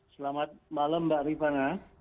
selamat malam mbak ripana